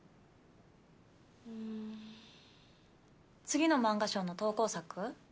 次の漫画賞の投稿作？